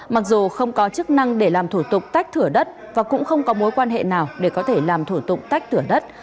mặc dù không có chức năng để làm thủ tục tách thửa đất và cũng không có mối quan hệ nào để có thể làm thủ tục tách thửa đất